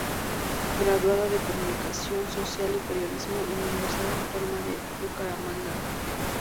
Graduada de Comunicación social y Periodismo en la Universidad Autónoma de Bucaramanga.